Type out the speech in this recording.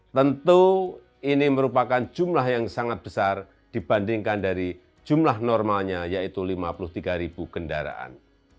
tentu ini merupakan jumlah yang sangat besar dibandingkan dari jumlah normalnya yaitu lima puluh tiga ribu kendaraan